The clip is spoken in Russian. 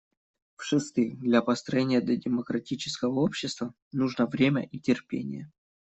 В-шестых, для построения демократического общества нужно время и терпение.